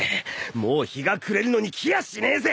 もう日が暮れるのに来やしねえぜ！